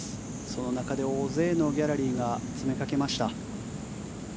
その中で大勢のギャラリーが詰めかけました。